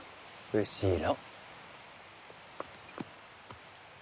後ろ。